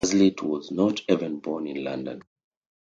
Hazlitt was not even born in London.